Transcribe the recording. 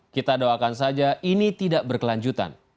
kita doakan saja ini tidak berkelanjutan